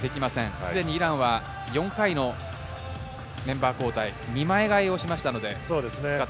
すでにイランは４回のメンバー交代、２枚替えをしました。